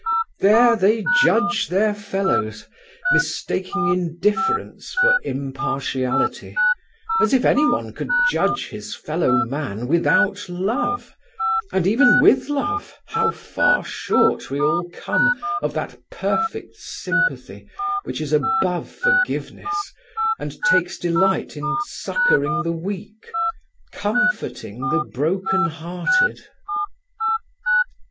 There they judge their fellows, mistaking indifference for impartiality, as if anyone could judge his fellowman without love, and even with love how far short we all come of that perfect sympathy which is above forgiveness and takes delight in succouring the weak, comforting the broken hearted.